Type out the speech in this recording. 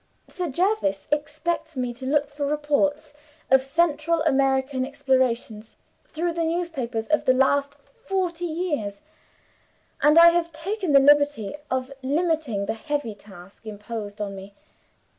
Sir Jervis expects me to look for reports of Central American Explorations, through the newspapers of the last forty years; and I have taken the liberty of limiting the heavy task imposed on me.